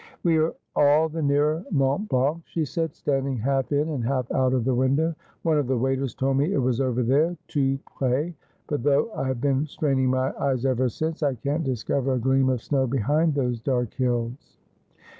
' We are all the nearer Mont Blanc,' she said, standing half in and half out of the window ;' one of the waiters told me it was over there — tout pres — but though I have been straining my eyes ever since, I can't discover a gleam of snow behind those dark hills.'